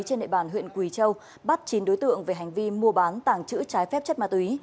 trên nệ bàn huyện quỳ châu bắt chín đối tượng về hành vi mua bán tảng chữ trái phép chất ma túy